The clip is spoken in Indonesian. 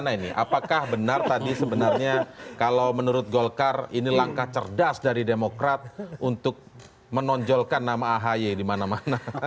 apakah benar tadi sebenarnya kalau menurut golkar ini langkah cerdas dari demokrat untuk menonjolkan nama ahy di mana mana